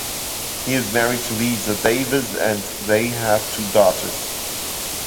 He is married to Liza Davis and they have two daughters.